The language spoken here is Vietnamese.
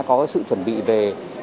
có sự chuẩn bị về